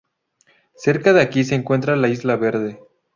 Cerca de aquí se encuentra la Isla Verde.